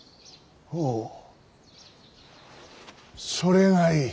おうそれがいい。